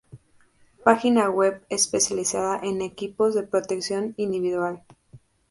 Página web especializada en equipos de protección individual.